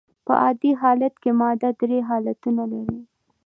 په عادي حالت کي ماده درې حالتونه لري.